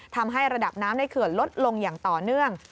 ทำให้ระดับน้ำในเขื่อนลดลงอย่างต่อเนื่อง